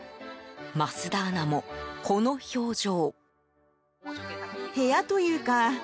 桝田アナもこの表情。